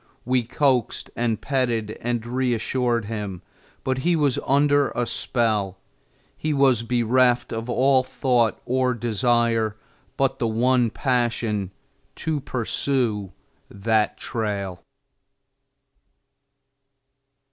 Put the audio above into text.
We coaxed and petted and reassured him, but he was under a spell; he was bereft of all thought or desire but the one passion to pursue that trail.